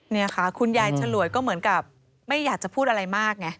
นี่ค่ะคุณยายฉลวยก็เหมือนกับไม่อยากจะพูดอะไรมากไง